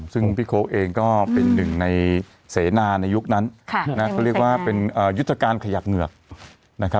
ซึ่งพี่โค้เองก็เป็นหนึ่งในเสนาในยุคนั้นเขาเรียกว่าเป็นยุทธการขยับเหงือกนะครับ